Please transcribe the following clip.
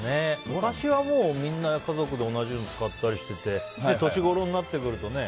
昔はみんな家族で同じもの使ったりして年頃になってくるとね